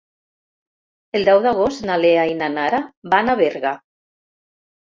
El deu d'agost na Lea i na Nara van a Berga.